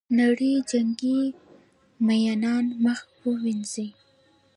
نړۍ جنګي میینان مخ ووینځي.